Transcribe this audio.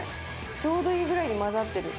ちょうどいいぐらいに混ざってる。